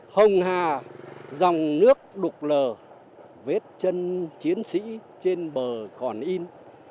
hồng hà dòng nước đục lờ vết chân chiến sĩ trên bờ còn in